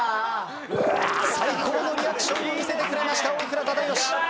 最高のリアクションを見せてくれました大倉忠義。